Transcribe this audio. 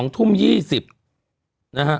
๒ทุ่ม๒๐นะฮะ